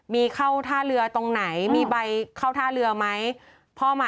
มีเข้าท่าเรือตรงไหนมีใบเข้าท่าเรือไหมพ่อมา